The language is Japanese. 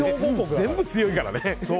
全部強いからね。